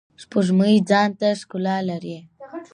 سپوږمۍ ځانته ښکلا لری.